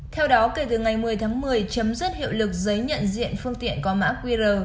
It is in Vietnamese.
theo đó kể từ ngày một mươi tháng một mươi chấm dứt hiệu lực giấy nhận diện phương tiện có mã qr